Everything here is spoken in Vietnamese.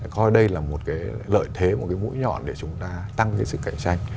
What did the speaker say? coi đây là một cái lợi thế một cái mũi nhọn để chúng ta tăng cái sức cạnh tranh